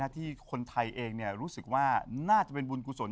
ที่คนไทยเองรู้สึกว่าน่าจะเป็นบุญกุศล